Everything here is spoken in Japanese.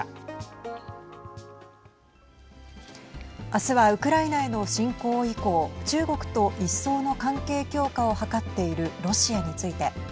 明日はウクライナへの侵攻以降中国と一層の関係強化を図っているロシアについて。